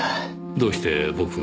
どうして僕が？